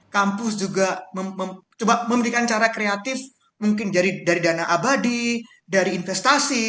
kampus juga memberikan cara kreatif mungkin dari dana abadi dari investasi